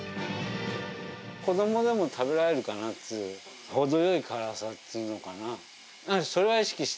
子どもでも食べられるかなっていう、程よい辛さっていうのかな。